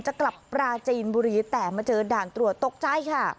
จะกลับปราจีนบุรีแต่มาเจอด่านตรวจตกใจค่ะ